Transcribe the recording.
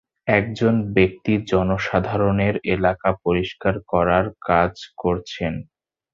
একজন ব্যক্তি জনসাধারণের এলাকা পরিষ্কার করার কাজ করছেন।